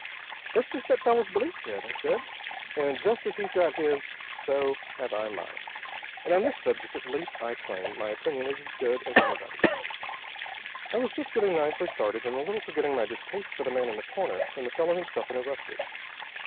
"That's just that fellow's belief, Jed," I said. "And just as he's got his so have I mine. And on this subject at least I claim my opinion is as good as anybody's." I was just getting nicely started, and a little forgetting my distaste for the man in the corner, when the fellow himself interrupted.